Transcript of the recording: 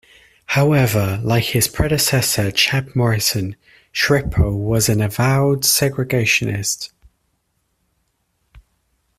However, like his predecessor Chep Morrison, Schiro was an avowed segregationist.